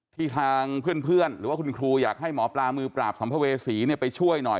ทางเพื่อนหรือว่าคุณครูอยากให้หมอปลามือปราบสัมภเวษีไปช่วยหน่อย